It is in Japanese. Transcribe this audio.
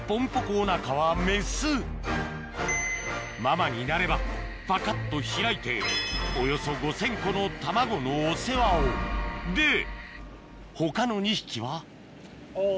お腹はメスママになればパカっと開いておよそ５０００個の卵のお世話をで他の２匹はあぁ。